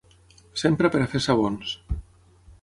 S'empra per a fer sabons.